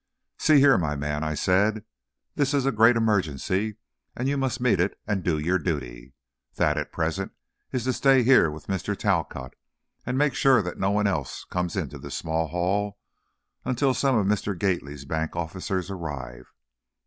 "See here, my man," I said, "this is a great emergency and you must meet it and do your duty. That, at present, is to stay here with Mr. Talcott, and make sure that no one else comes into this small hall until some of Mr. Gately's bank officers arrive.